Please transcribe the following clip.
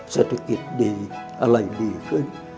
เศรษฐกิจดีอะไรดีขึ้น